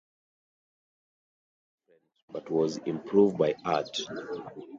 The harbour is indifferent, but was improved by art.